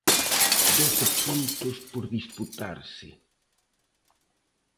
Doce puntos por disputarse.